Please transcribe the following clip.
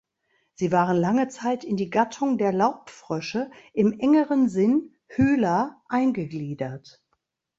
Sie waren lange Zeit in die Gattung der Laubfrösche im engeren Sinn ("Hyla") eingegliedert.